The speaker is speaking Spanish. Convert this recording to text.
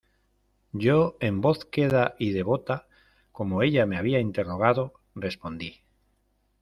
yo, en voz queda y devota , como ella me había interrogado , respondí: